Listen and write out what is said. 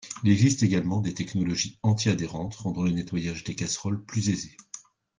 Il existe également des technologies anti-adhérentes rendant le nettoyage des casseroles plus aisé.